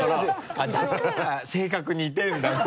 だから性格似てるんだ２人。